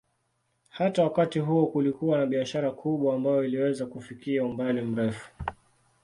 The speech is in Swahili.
Hata wakati huo kulikuwa na biashara kubwa ambayo iliweza kufikia umbali mrefu.